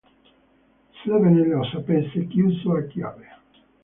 Sebbene lo sapesse chiuso a chiave.